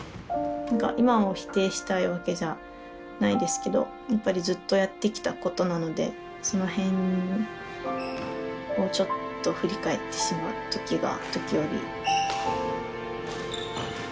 なんか今を否定したいわけじゃないですけどやっぱりずっとやってきたことなのでその辺をちょっと振り返ってしまう時が時折。